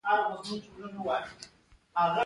حیوانات درد احساسوي